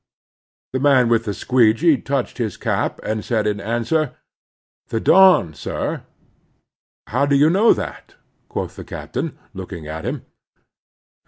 " The man with the squeegee touched his cap and said in answer :The Dawn, sir. "How do you know that ?" quoth the captain, looking at him.